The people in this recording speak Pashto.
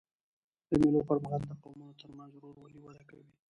د مېلو پر مهال د قومونو ترمنځ ورورولي وده کوي.